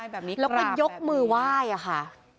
แล้วก็ยกมือไหว้ค่ะ